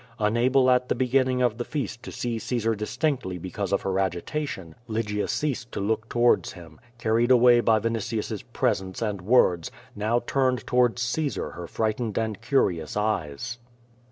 Unable at the beginning of the feast to see Caesar distinctly because of her agitation, Lygia ceased to look towards him. QUO VADIS. 6l carried away by Vinitius's presence and words, now turned towards Caesar her frightened and curious eyes.